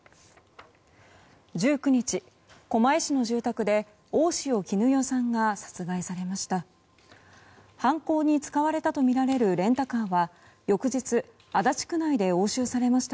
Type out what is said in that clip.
１９日、狛江市の住宅で大塩衣與さんが殺害されました。